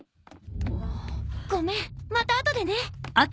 ごめんまた後でね。